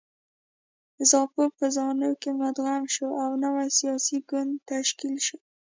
زاپو په زانو کې مدغم شو او نوی سیاسي ګوند تشکیل شو.